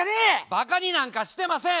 バカになんかしてません！